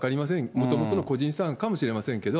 もともとの個人資産かもしれませんけど。